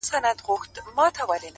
مثبت فکر د ستونزو وزن سپکوي